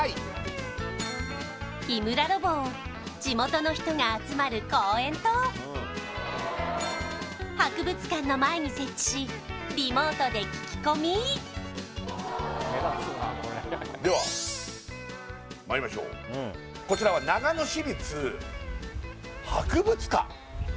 日村ロボを地元の人が集まる公園と博物館の前に設置しリモートで聞き込みではまいりましょうこちらは長野市立博物館！？